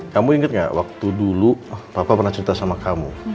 kamu ingat gak waktu dulu papa pernah cerita sama kamu